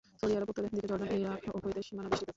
Saudi আরব উত্তর দিকে জর্ডান, ইরাক ও কুয়েতের সীমানা বেষ্টিত।